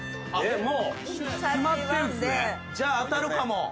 じゃあ当たるかも。